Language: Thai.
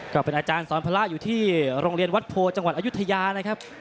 ก็เป็นอาจารย์สอนพระอยู่ที่โรงเรียนวัดโพจังหวัดอายุทยานะครับ